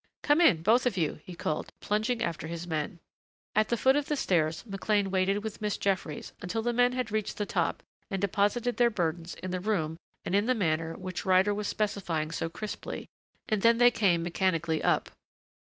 "Come in, both of you," he called, plunging after his men. At the foot of the stairs McLean waited with Miss Jeffries until the men had reached the top and deposited their burdens in the room and in the manner which Ryder was specifying so crisply, and then they came mechanically up.